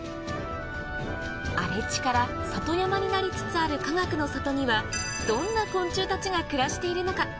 荒れ地から里山になりつつあるかがくの里には暮らしているのか？